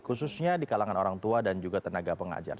khususnya di kalangan orang tua dan juga tenaga pengajar